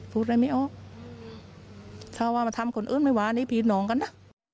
พูดอะไรไม่ออกถ้าว่ามาทำคนอื่นไม่ว่านี่ผีน้องกันนะ